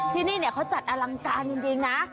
ที่นี่เขาจัดอลังการจริงนะ